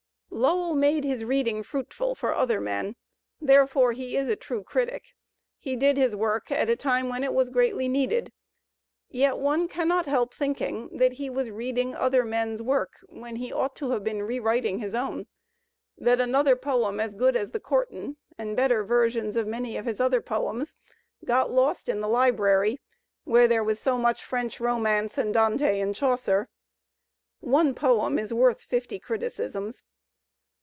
Lowell made his reading fruitful for y\ ' other men. Therefore he is a true critic. He did his work at a time when it was greatly needed. Yet one cannot help thinking that he was reading other men's work when Digitized by Google LOWELL «0S he ought to have been rewriting his own, that another poem as good as '*The Courtin'," and better versions of many of his other poems got lost in the library where there was so much French Romance and Dante and Chaucer. One poem is worth fifly criticisms.